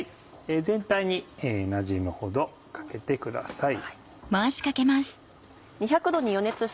全体になじむほどかけてください。